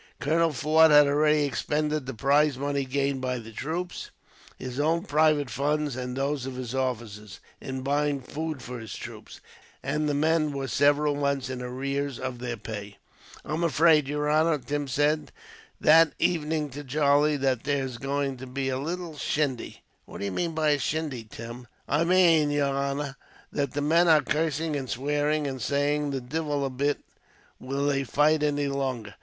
Colonel Forde had already expended the prize money gained by the troops, his own private funds, and those of his officers, in buying food for his troops; and the men were several months in arrear of their pay. "I'm afraid, yer honor," Tim said that evening to Charlie, "that there's going to be a shindy." "What do you mean by a shindy, Tim?" "I mane, yer honor, that the men are cursing and swearing, and saying the divil a bit will they fight any longer.